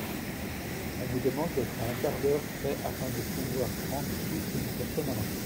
On vous demande d’être à un quart d’heure près afin de pouvoir prendre plus d’une personne à la fois.